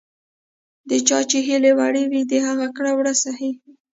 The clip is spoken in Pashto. د چا چې هیلې وړې وي، د هغه کړه ـ وړه صحیح وي .